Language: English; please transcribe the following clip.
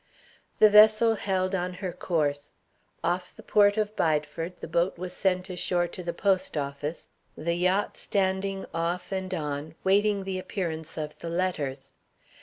The vessel held on her course. Off the port of Bideford, the boat was sent ashore to the post office, the yacht standing off and on, waiting the appearance of the letters.